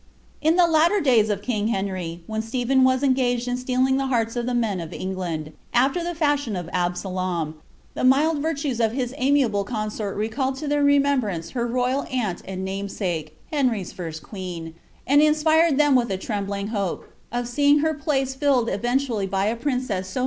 In the latter days of king Henry, while Stephen was engageil in steal ing the hearts of the men of England, al\er the &shion of Absalom, thr mild virtues of his amiable consort recalled to their remembnace ha royal aunt and namesake, Henry's first queen, and inspired ibem wiilia trembling hope of seeing her pbce filled eventually by a priocoa ■> 'Slovre'c SDivey.